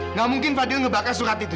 nggak mungkin fadil ngebakai surat itu